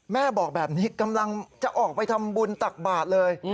แม่บอกแบบนี้กำลังจะออกไปทำบุญตักบาทเลย